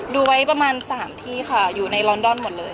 ดูไว้ประมาณ๓ที่ค่ะอยู่ในลอนดอนหมดเลย